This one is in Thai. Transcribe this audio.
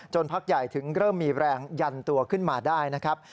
พักใหญ่ถึงเริ่มมีแรงยันตัวขึ้นมาได้นะครับ